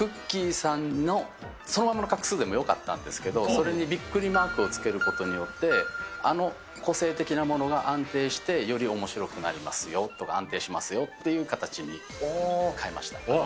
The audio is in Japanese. さんのそのままの画数でもよかったんですけど、それにビックリマークをつけることによってあの個性的なものが安定して、よりおもしろくなりますよとか、安定しますよという形にかえました。